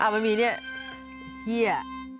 มันมีนี่เหี้ย